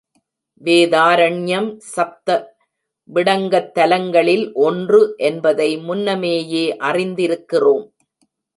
வேதாரண்யம் சப்த விடங்கத் தலங்களில் ஒன்று என்பதை முன்னமேயே அறிந்திருக்கிறோம்.